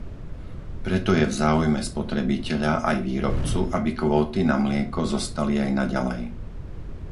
Preto je v záujme spotrebiteľa aj výrobcu, aby kvóty na mlieko zostali aj naďalej.